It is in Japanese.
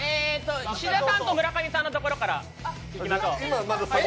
石田さんと村上さんのところからいきましょう。